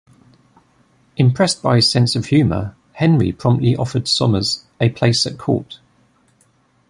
Impressed by his sense of humour, Henry promptly offered Sommers a place at court.